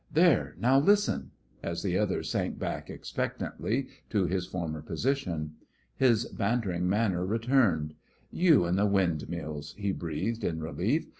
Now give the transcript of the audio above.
There, now listen," as the other sank back expectantly to his former position. His bantering manner returned. "You and the windmills," he breathed, in relief.